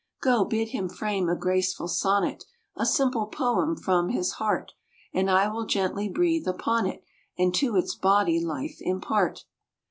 Go, bid him frame a graceful sonnet, A simple poem from his heart, And I will gently breathe upon it And to its body life impart."